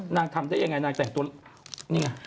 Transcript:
ทำได้ยังไงนางแต่งตัวนี่ไง